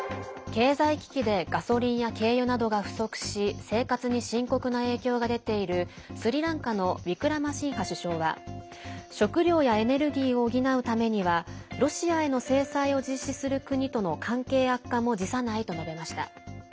経済危機でガソリンや軽油などが不足し生活に深刻な影響が出ているスリランカのウィクラマシンハ首相は食料やエネルギーを補うためにはロシアへの制裁を実施する国との関係悪化も辞さないと述べました。